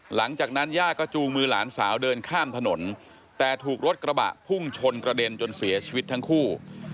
หลังจากนั้นย่าก็จูงมือหลานสาวเดินข้ามถนนแต่ถูกรถกระบะพุ่งชนกระเด็นจนเสียชีวิตทั้งคู่